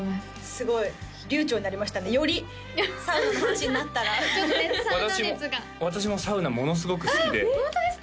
すごい流ちょうになりましたねよりサウナの話になったらちょっとサウナ熱が私もサウナものすごく好きであっホントですか？